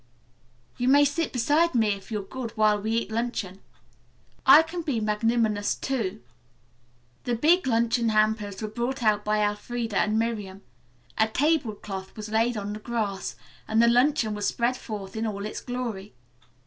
You may sit beside me, if you're good, while we eat luncheon. I can be magnanimous, too." The big luncheon hampers were brought out by Elfreda and Miriam. A tablecloth was laid on the grass, and the luncheon was spread forth in all its glory.